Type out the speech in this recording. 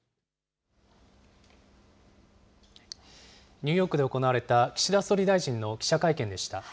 ニューヨークで行われた岸田総理大臣の記者会見でした。